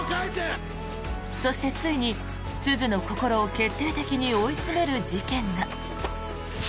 そしてついに、鈴の心を決定的に追い詰める事件が。